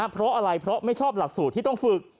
เพราะอะไรเพราะไม่ชอบหลักสูตรที่ต้องฝึก